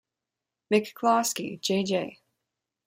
McCloskey, J. J.